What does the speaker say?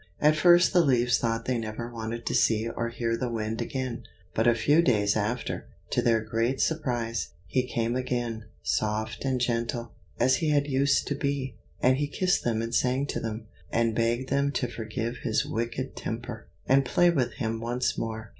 At first the leaves thought they never wanted to see or hear the Wind again; but a few days after, to their great surprise, he came again, soft and gentle, as he had used to be, and he kissed them and sang to them, and begged them to forgive his wicked temper, and play with him once more.